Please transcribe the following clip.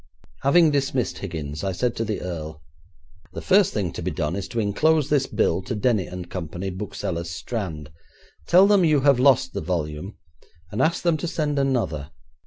Having dismissed Higgins, I said to the earl, 'The first thing to be done is to enclose this bill to Denny and Co., booksellers, Strand. Tell them you have lost the volume, and ask them to send another.